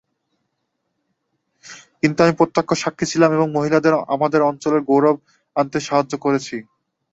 কিন্তু আমি প্রত্যক্ষ সাক্ষী ছিলাম এবং মহিলাদের আমাদের অঞ্চলের গৌরব আনতে সাহায্য করেছি!